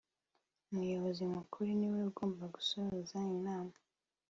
Umuyobozi mukuru niwe ugomba gusoza inama